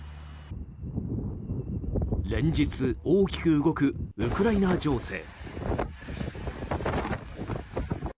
連日、大きく動くウクライナ情勢。